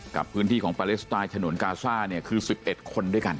กับพื้นที่ของปาเลสไตน์ฉนวนกาซ่าเนี่ยคือ๑๑คนด้วยกัน